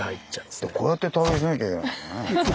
こうやって田植えしなきゃいけないね。